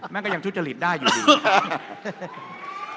แม่งก็ยังทุจริตได้อยู่ดี